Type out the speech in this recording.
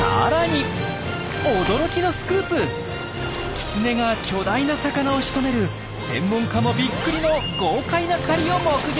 キツネが巨大な魚をしとめる専門家もびっくりの豪快な狩りを目撃！